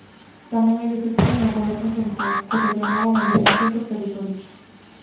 Tamén hai decepción no Goberno central, que reclamaba unha distinción por territorios.